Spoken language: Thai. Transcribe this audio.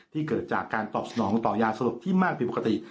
เกิดจากการตอบสนองต่อยาสลบที่มากผิดปกติ